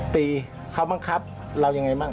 ตีเขาบ้างครับเรายังไงบ้าง